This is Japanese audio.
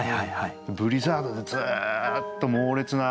ブリザードでずっと猛烈な。